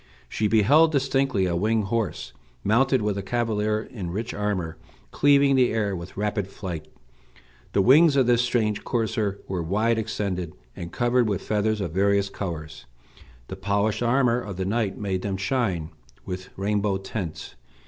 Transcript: She beheld distinctly a winged horse, mounted with a cavalier in rich armor, cleaving the air with rapid flight. The wings of this strange courser were wide extended, and covered with feathers of various colors. The polished armor of the knight made them shine with rainbow tints.